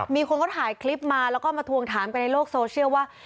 มีคนเขาถ่ายคลิปมาแล้วก็มาทวงถามกันในโลกโซเชียลว่า